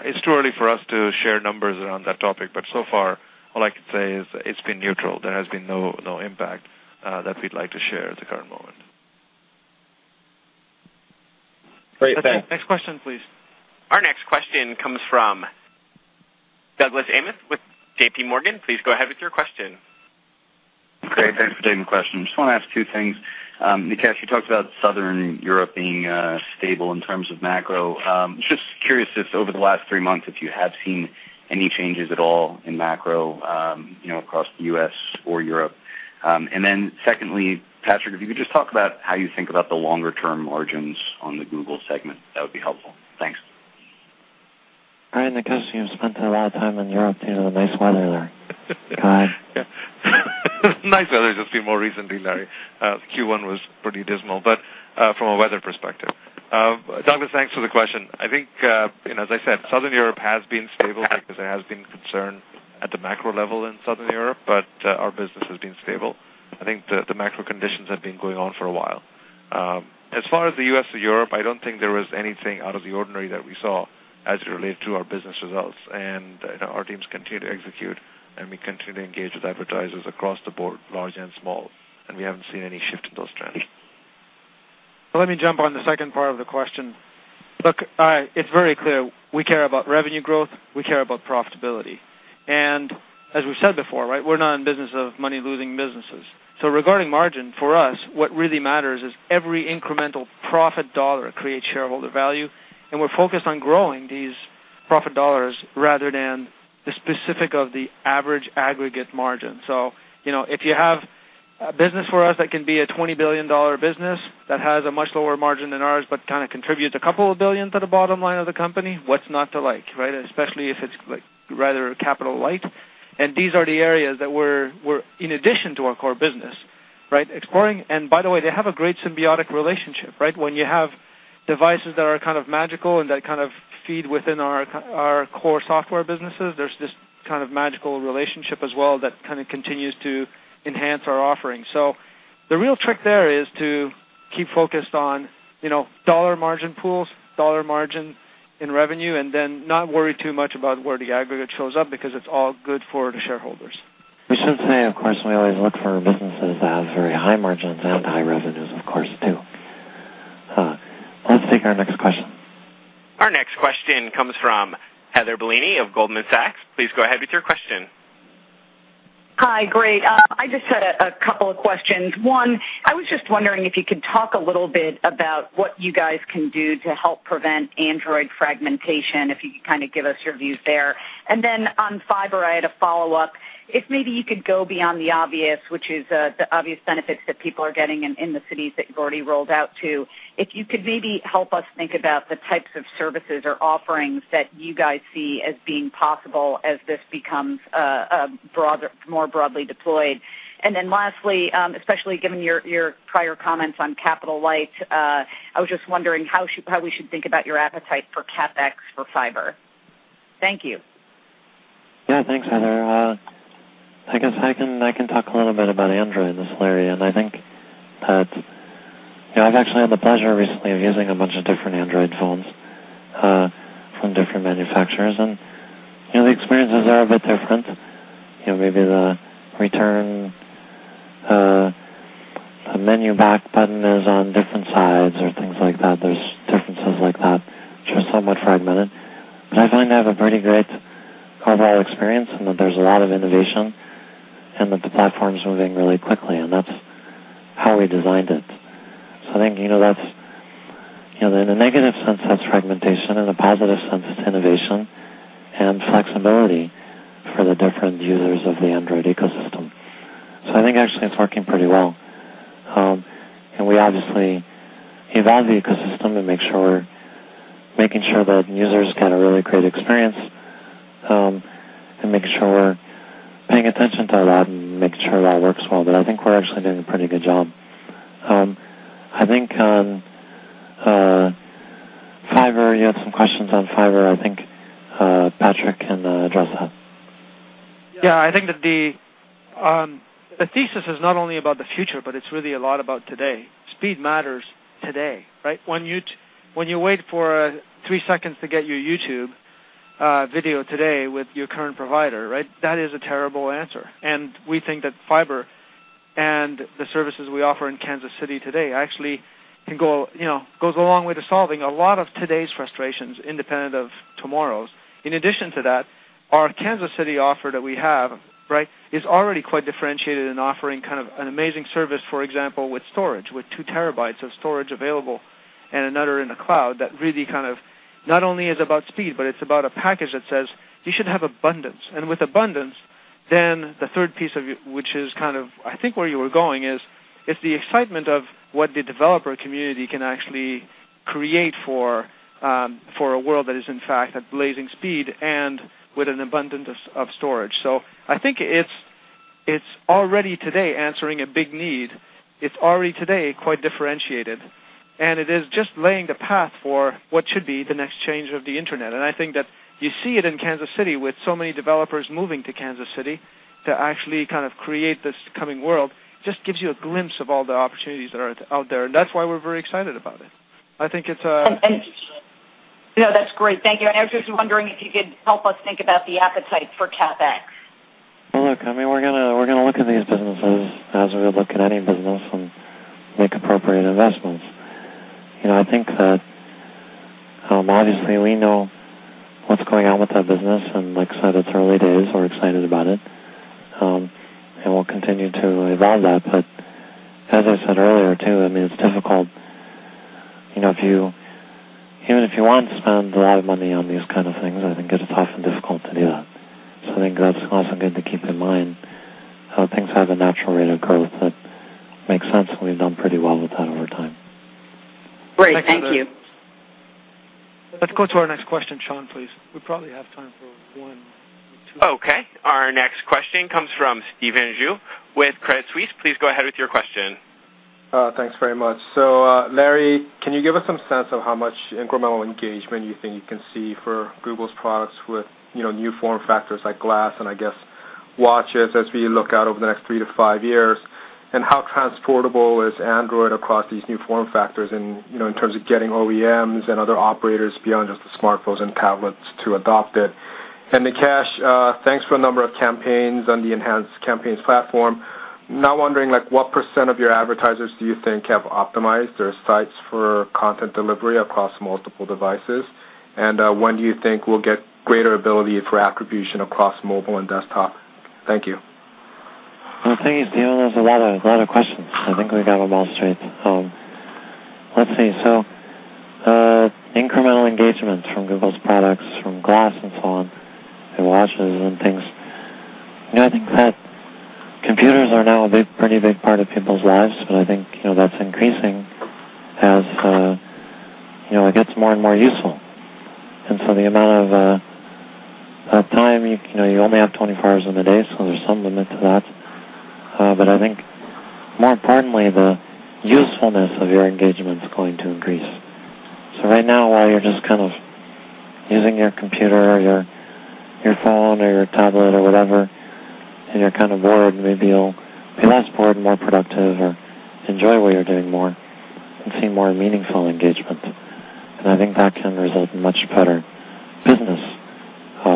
It's too early for us to share numbers around that topic, but so far, all I can say is it's been neutral. There has been no impact that we'd like to share at the current moment. Great. Thanks. Next question, please. Our next question comes from Douglas Anmuth with JPMorgan. Please go ahead with your question. Great. Thanks for taking the question. Just want to ask two things. Nikesh, you talked about Southern Europe being stable in terms of macro. Just curious if over the last three months, if you have seen any changes at all in macro across the U.S. or Europe. And then secondly, Patrick, if you could just talk about how you think about the longer-term margins on the Google segment, that would be helpful. Thanks. All right. Nikesh, you've spent a lot of time in Europe. The nice weather there. Nice weather just came more recently, Larry. Q1 was pretty dismal, but from a weather perspective. Douglas, thanks for the question. I think, as I said, Southern Europe has been stable because there has been concern at the macro level in Southern Europe, but our business has been stable. I think the macro conditions have been going on for a while. As far as the U.S. and Europe, I don't think there was anything out of the ordinary that we saw as it related to our business results. And our teams continue to execute, and we continue to engage with advertisers across the board, large and small. And we haven't seen any shift in those trends. Let me jump on the second part of the question. Look, it's very clear. We care about revenue growth. We care about profitability. And as we've said before, right, we're not in business of money-losing businesses. So regarding margin, for us, what really matters is every incremental profit dollar creates shareholder value. And we're focused on growing these profit dollars rather than the specific of the average aggregate margin. So if you have a business for us that can be a $20 billion business that has a much lower margin than ours but kind of contributes a couple of billion to the bottom line of the company, what's not to like, right, especially if it's rather capital-light? And these are the areas that we're, in addition to our core business, right, exploring. And by the way, they have a great symbiotic relationship, right? When you have devices that are kind of magical and that kind of feed within our core software businesses, there's this kind of magical relationship as well that kind of continues to enhance our offering. So the real trick there is to keep focused on dollar margin pools, dollar margin in revenue, and then not worry too much about where the aggregate shows up because it's all good for the shareholders. We should say, of course, we always look for businesses that have very high margins and high revenues, of course, too. Let's take our next question. Our next question comes from Heather Bellini of Goldman Sachs. Please go ahead with your question. Hi. Great. I just had a couple of questions. One, I was just wondering if you could talk a little bit about what you guys can do to help prevent Android fragmentation, if you could kind of give us your views there? And then on Fiber, I had a follow-up. If maybe you could go beyond the obvious, which is the obvious benefits that people are getting in the cities that you've already rolled out to, if you could maybe help us think about the types of services or offerings that you guys see as being possible as this becomes more broadly deployed? And then lastly, especially given your prior comments on capital-light, I was just wondering how we should think about your appetite for CapEx for Fiber? Thank you. Yeah. Thanks, Heather. I guess I can talk a little bit about Android in this area. And I think that I've actually had the pleasure recently of using a bunch of different Android phones from different manufacturers. And the experiences are a bit different. Maybe the return, the menu back button is on different sides or things like that. There's differences like that, which are somewhat fragmented. But I find I have a pretty great overall experience in that there's a lot of innovation and that the platform's moving really quickly. And that's how we designed it. So I think that's in a negative sense, that's fragmentation. In a positive sense, it's innovation and flexibility for the different users of the Android ecosystem. So I think actually it's working pretty well. We obviously evolve the ecosystem and make sure that users get a really great experience and make sure we're paying attention to that and make sure that works well. I think we're actually doing a pretty good job. I think on Fiber, you had some questions on Fiber. I think Patrick can address that. Yeah. I think that the thesis is not only about the future, but it's really a lot about today. Speed matters today, right? When you wait for three seconds to get your YouTube video today with your current provider, right, that is a terrible answer. And we think that Fiber and the services we offer in Kansas City today actually goes a long way to solving a lot of today's frustrations independent of tomorrow's. In addition to that, our Kansas City offer that we have, right, is already quite differentiated in offering kind of an amazing service, for example, with storage, with two terabytes of storage available and another in the cloud that really kind of not only is about speed, but it's about a package that says you should have abundance. And with abundance, then the third piece, which is kind of I think where you were going, is it's the excitement of what the developer community can actually create for a world that is, in fact, at blazing speed and with an abundance of storage. So I think it's already today answering a big need. It's already today quite differentiated. And it is just laying the path for what should be the next change of the internet. And I think that you see it in Kansas City with so many developers moving to Kansas City to actually kind of create this coming world. It just gives you a glimpse of all the opportunities that are out there. And that's why we're very excited about it. I think it's a. Yeah. That's great. Thank you. And I was just wondering if you could help us think about the appetite for CapEx? Look, I mean, we're going to look at these businesses as we would look at any business and make appropriate investments. I think that obviously we know what's going on with that business. And like I said, it's early days. We're excited about it. And we'll continue to evolve that. But as I said earlier too, I mean, it's difficult. Even if you want to spend a lot of money on these kind of things, I think it's often difficult to do that. So I think that's also good to keep in mind. Things have a natural rate of growth that makes sense. And we've done pretty well with that over time. Great. Thank you. Let's go to our next question, Sean, please. We probably have time for one or two. Okay. Our next question comes from Stephen Ju with Credit Suisse. Please go ahead with your question. Thanks very much. So Larry, can you give us some sense of how much incremental engagement you think you can see for Google's products with new form factors like Glass and, I guess, watches as we look out over the next three to five years? And how transportable is Android across these new form factors in terms of getting OEMs and other operators beyond just the smartphones and tablets to adopt it? And Nikesh, thanks for a number of campaigns on the Enhanced Campaigns platform. Now wondering what % of your advertisers do you think have optimized their sites for content delivery across multiple devices? And when do you think we'll get greater ability for attribution across mobile and desktop? Thank you. I think you've given us a lot of questions. I think we got them all straight. Let's see. So incremental engagements from Google's products, from Glass and so on, and watches and things. I think that computers are now a pretty big part of people's lives, but I think that's increasing as it gets more and more useful. And so the amount of time you only have 24 hours in the day, so there's some limit to that. But I think more importantly, the usefulness of your engagement is going to increase. So right now, while you're just kind of using your computer or your phone or your tablet or whatever, and you're kind of bored, maybe you'll be less bored and more productive or enjoy what you're doing more and see more meaningful engagement. I think that can result in much better business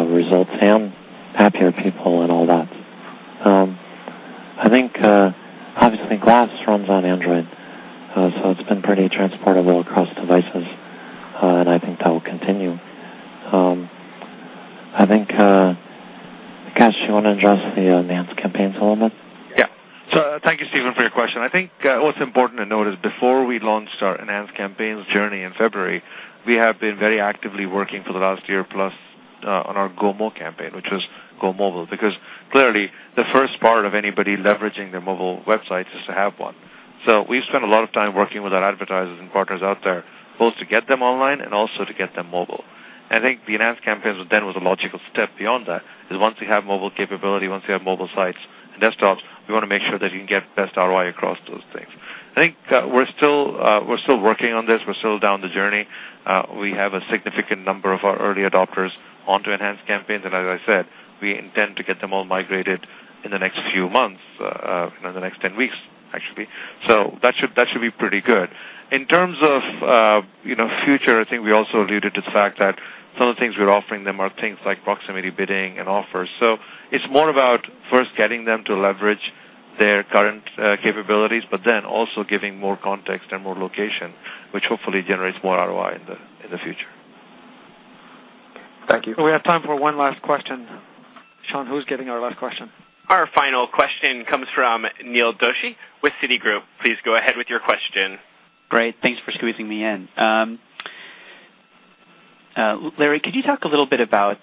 results and happier people and all that. I think obviously Glass runs on Android, so it's been pretty transportable across devices. I think that will continue. I think, Nikesh, you want to address the Enhanced Campaigns a little bit? Yeah. So thank you, Stephen, for your question. I think what's important to note is before we launched our Enhanced Campaigns journey in February, we have been very actively working for the last year plus on our GoMo campaign, which was Go Mobile, because clearly the first part of anybody leveraging their mobile website is to have one. So we've spent a lot of time working with our advertisers and partners out there, both to get them online and also to get them mobile. And I think the Enhanced Campaigns then was a logical step beyond that, is once you have mobile capability, once you have mobile sites and desktops, we want to make sure that you can get best ROI across those things. I think we're still working on this. We're still on the journey. We have a significant number of our early adopters onto Enhanced Campaigns. As I said, we intend to get them all migrated in the next few months, in the next 10 weeks, actually. That should be pretty good. In terms of future, I think we also alluded to the fact that some of the things we're offering them are things like proximity bidding and offers. It's more about first getting them to leverage their current capabilities, but then also giving more context and more location, which hopefully generates more ROI in the future. Thank you. We have time for one last question. Sean, who's getting our last question? Our final question comes from Neil Doshi with Citigroup. Please go ahead with your question. Great. Thanks for squeezing me in. Larry, could you talk a little bit about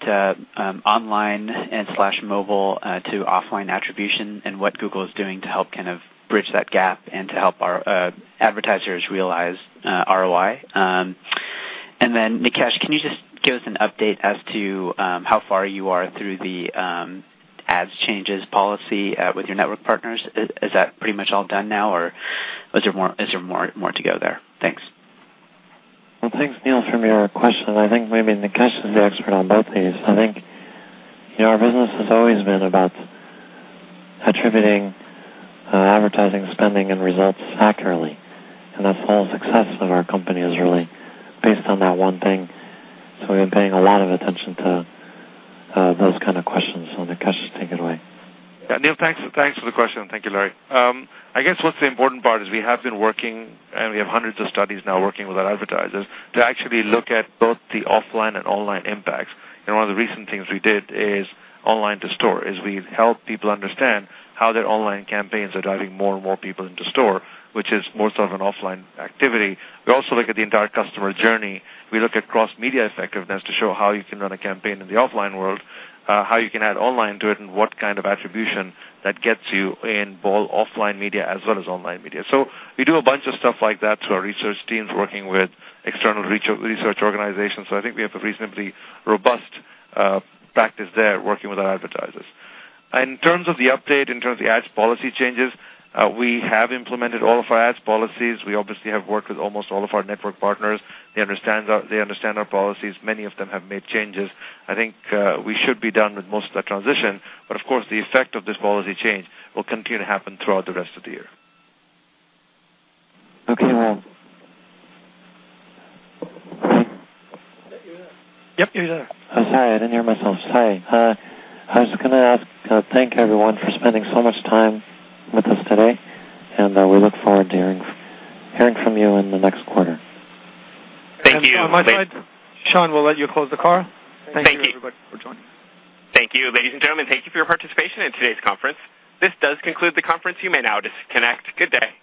online/mobile to offline attribution and what Google is doing to help kind of bridge that gap and to help our advertisers realize ROI? And then, Nikesh, can you just give us an update as to how far you are through the ads changes policy with your network partners? Is that pretty much all done now, or is there more to go there? Thanks. Thanks, Neil, for your question. I think maybe Nikesh is the expert on both of these. I think our business has always been about attributing advertising spending and results accurately. That's the whole success of our company is really based on that one thing. We've been paying a lot of attention to those kind of questions. Nikesh, take it away. Yeah. Neil, thanks for the question. Thank you, Larry. I guess what's the important part is we have been working, and we have hundreds of studies now working with our advertisers to actually look at both the offline and online impacts. And one of the recent things we did is online to store, is we help people understand how their online campaigns are driving more and more people into store, which is more so of an offline activity. We also look at the entire customer journey. We look at cross-media effectiveness to show how you can run a campaign in the offline world, how you can add online to it, and what kind of attribution that gets you in both offline media as well as online media. So we do a bunch of stuff like that through our research teams working with external research organizations. I think we have a reasonably robust practice there working with our advertisers. In terms of the update, in terms of the ads policy changes, we have implemented all of our ads policies. We obviously have worked with almost all of our network partners. They understand our policies. Many of them have made changes. I think we should be done with most of that transition. Of course, the effect of this policy change will continue to happen throughout the rest of the year. Okay. Well. Yep. You're there. I was going to ask. Thank everyone for spending so much time with us today, and we look forward to hearing from you in the next quarter. Thank you. Thank you so much. Sean, we'll let you close the call. Thank you. Thank you, everybody, for joining. Thank you. Ladies and gentlemen, thank you for your participation in today's conference. This does conclude the conference. You may now disconnect. Good day.